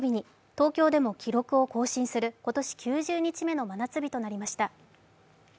東京でも記録を更新する今年９０日目の真夏日となりました。